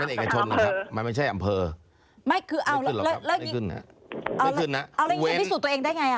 คือธนาคารเป็นเอกชนนะครับมันไม่ใช่อำเภอไม่ขึ้นหรอกครับไม่ขึ้นนะวิสูจน์ตัวเองได้ไงอ่ะ